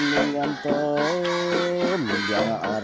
umbul umbul belambangan cema